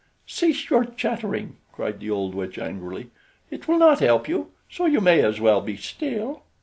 "Cease your chattering," cried the old witch angrily. "It will not help you, so you may as well be still."